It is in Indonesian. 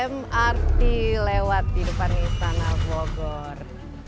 mrt lewat di depan istana bogor